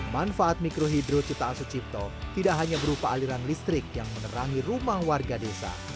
manfaat mikrohidro cita asucipto tidak hanya berupa aliran listrik yang menerangi rumah warga desa